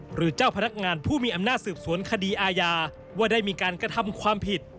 หรือเจ้าพนักงานผู้มีอำนาจสืบสวนคดีอาญาว่าได้มีการกระทำความผิด